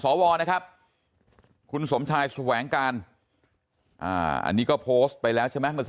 นะครับคุณสมชายแสวงการอันนี้ก็โพสต์ไปแล้วใช่ไหมเมื่อสัก